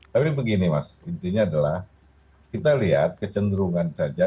tapi begini mas intinya adalah kita lihat kecenderungan saja